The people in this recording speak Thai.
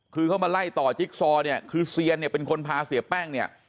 คือเขามาไล่ต่อจิ๊กซอเนี่ยคือเซียนเนี่ยเป็นคนพาเสียแป้งเนี่ย